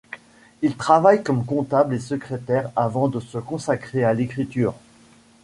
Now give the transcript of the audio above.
Il travaille comme comptable et secrétaire avant de se consacrer à l’écriture.